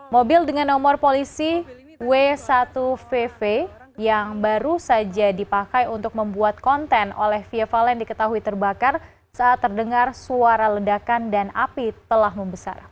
mobil dengan nomor polisi w satu vv yang baru saja dipakai untuk membuat konten oleh fia valen diketahui terbakar saat terdengar suara ledakan dan api telah membesar